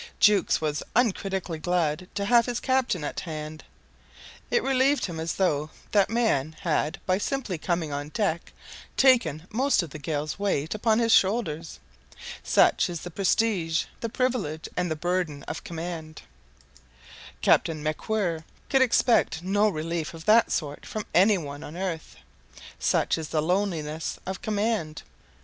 Jukes was uncritically glad to have his captain at hand. It relieved him as though that man had, by simply coming on deck, taken most of the gale's weight upon his shoulders. Such is the prestige, the privilege, and the burden of command. Captain MacWhirr could expect no relief of that sort from any one on earth. Such is the loneliness of command.